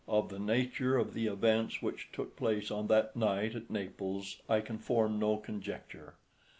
Of the nature of the events which took place on that night at Naples I can form no conjecture.